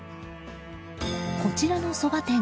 こちらのそば店。